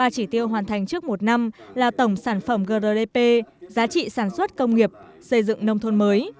ba chỉ tiêu hoàn thành trước một năm là tổng sản phẩm grdp giá trị sản xuất công nghiệp xây dựng nông thôn mới